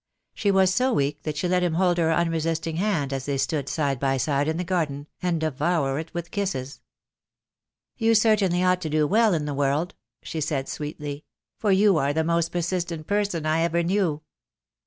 She was so weak that she let him hold her unresisting hand as they stood side by side in the garden, and devour it with kisses. "You certainly ought to do well in the world," she said, sweetly; "for you are the most persistent person I ever knew."